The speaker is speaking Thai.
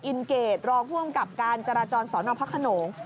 อินเกจรองร่วมกับการจราจรสนพระขนง